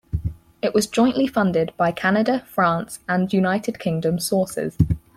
It was jointly funded by Canada, France, and United Kingdom sources.